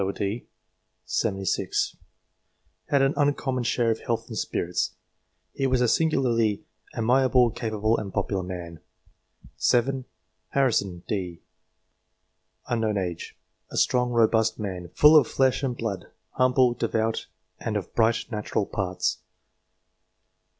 aet. 76 ; had an uncommon share of health and spirits ; he was a singularly amiable, capable, and popular man. 7. Harrison, d. set. ?; a strong, robust man, full of flesh and blood ; humble, devout, and of bright natural parts.